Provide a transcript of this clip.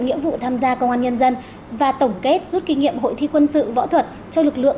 nghĩa vụ tham gia công an nhân dân và tổng kết rút kinh nghiệm hội thi quân sự võ thuật cho lực lượng